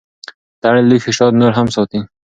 تړلی لوښی شات نور هم ساتي.